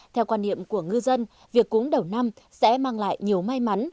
theo quan niệm của ngư dân việc cúng đầu năm sẽ mang lại nhiều may mắn